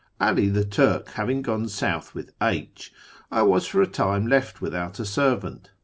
'All the Turk having gone south with H , I was for a time left without a servant.